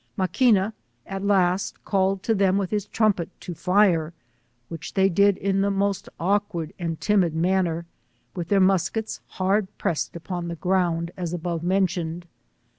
Mctqtjkia, at last, cal led te them with his trumpet. to fire, which they did ia the most awkward and timid manner, with their muskets hard pressed upon the ground aa above mentioned.